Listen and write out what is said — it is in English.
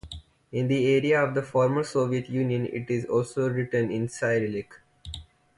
In the area of the former Soviet Union it is also written in Cyrillic.